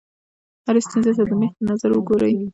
هرې ستونزې ته د مېخ په نظر وګورئ.